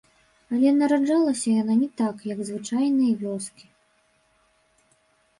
Але нараджалася яна не так, як звычайныя вёскі.